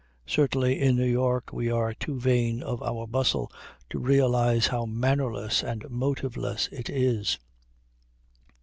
Certainly, in New York, we are too vain of our bustle to realize how mannerless and motiveless it is.